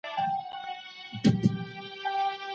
ډاکټره اوږده پاڼه ړنګه کړې ده.